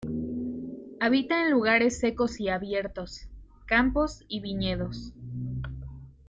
Habita en lugares secos y abiertos, campos y viñedos.